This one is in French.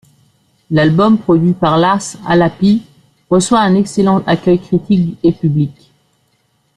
L'album produit par Lars Halapi reçoit un excellent accueil critique et public.